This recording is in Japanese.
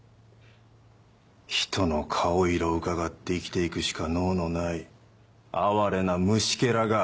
ひとの顔色うかがって生きて行くしか能のない哀れな虫ケラが。